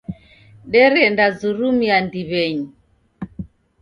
Derendazurumia ndiw'enyi.